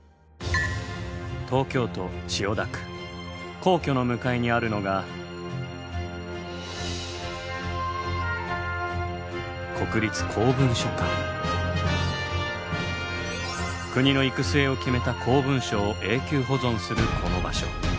皇居の向かいにあるのが国の行く末を決めた公文書を永久保存するこの場所。